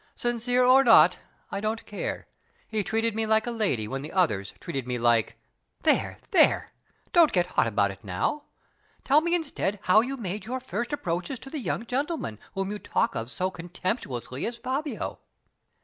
Sincere or not, I don't care he treated me like a lady when the others treated me like " "There! there! don't get hot about it now. Tell me instead how you made your first approaches to the young gentleman whom you talk of so contemptuously as Fabio."